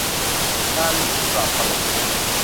การรื้อปรับระบบ